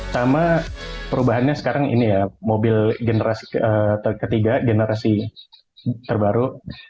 sama perubahannya sekarang ini ya mobil generasi ketiga generasi terbaru